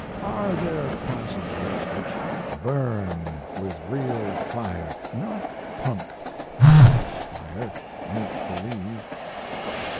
Are there passages which burn with real fire not punk, fox fire, make believe?